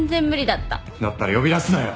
だったら呼び出すなよ！